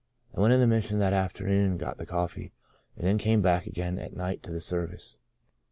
I went in the Mission that afternoon and got the coffee, and then came back again at night to the service.